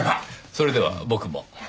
それでは僕も。